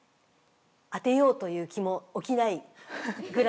当てようという気も起きないぐらい難しい。